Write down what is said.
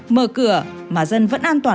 mở cửa mà dân vẫn an toàn